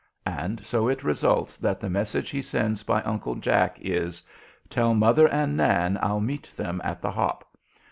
And so it results that the message he sends by Uncle Jack is: "Tell mother and Nan I'll meet them at the 'hop.'